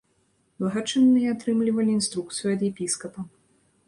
Благачынныя атрымлівалі інструкцыю ад епіскапа.